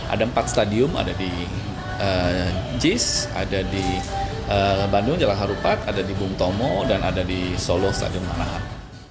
ada empat stadium ada di jis ada di bandung jalan harupat ada di bung tomo dan ada di solo stadion manahan